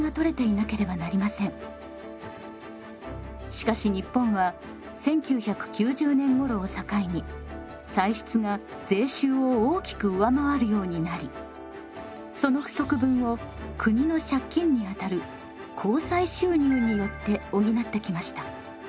しかし日本は１９９０年ごろを境に歳出が税収を大きく上回るようになりその不足分を国の借金にあたる公債収入によって補ってきました。